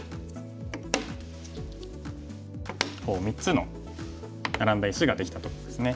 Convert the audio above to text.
こう３つのナラんだ石ができたとこですね。